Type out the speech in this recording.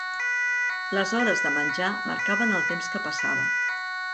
Les hores de menjar marcaven el temps que passava